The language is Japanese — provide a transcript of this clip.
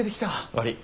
悪い。